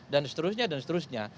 dan seterusnya dan seterusnya